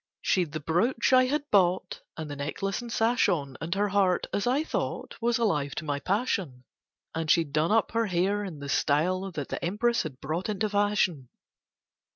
She'd the brooch I had bought And the necklace and sash on, And her heart, as I thought, Was alive to my passion; And she'd done up her hair in the style that the Empress had brought into fashion.